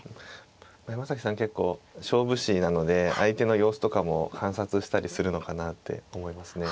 山崎さん結構勝負師なので相手の様子とかも観察したりするのかなって思いますね。